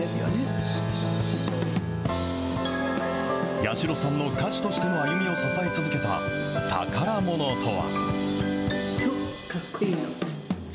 八代さんの歌手としての歩みを支え続けた宝ものとは。